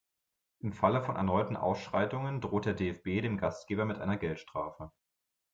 Im Falle von erneuten Ausschreitungen droht der DFB dem Gastgeber mit einer Geldstrafe.